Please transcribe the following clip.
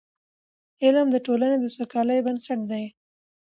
علم د ټولني د سوکالۍ بنسټ دی.